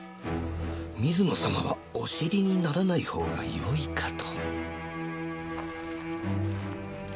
水野様はお知りにならないほうがよいかと。